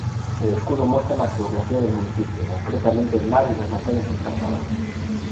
El escudo muestra la geografía del municipio, concretamente el mar y las montañas escarpadas.